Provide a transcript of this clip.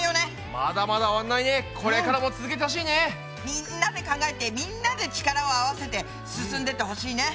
みんなで考えてみんなで力を合わせて進んでってほしいね。